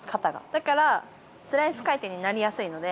だからスライス回転になりやすいので。